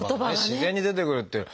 自然に出てくるっていう。